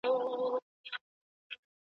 څنګه د اضافي شیانو لري کول ذهن خلاصوي؟